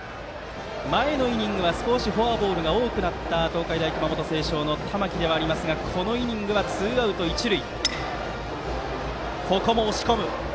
前のイニングは少しフォアボールが多くなった東海大熊本星翔の玉木ではありますがこのイニングはツーアウト、一塁。